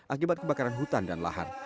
akibat kebakaran hutan dan lahan